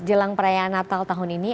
jelang perayaan natal tahun ini